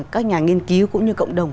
các nhà nghiên cứu cũng như cộng đồng